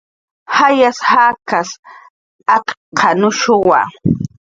"Jayas jakas akq""anushuwa"